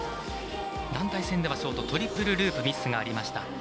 団体戦ではショートトリプルループミスがありました。